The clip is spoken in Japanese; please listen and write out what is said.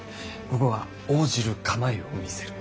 ここは応じる構えを見せる。